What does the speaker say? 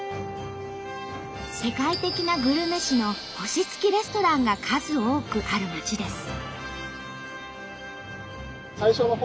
世界的なグルメ誌の星付きレストランが数多くある街です。